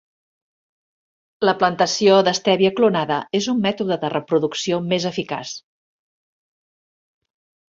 La plantació d'estèvia clonada és un mètode de reproducció més eficaç.